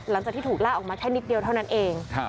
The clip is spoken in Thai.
หลังจากที่ถูกล่าออกมาแค่นิดเดียวเท่านั้นเอง